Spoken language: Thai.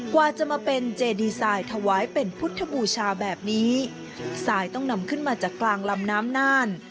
กว่าจะมาเป็นเจดีไซน์ถวายเป็นพุทธบูชาแบบนี้ทรายต้องนำขึ้นมาจากกลางลำน้ำน่าน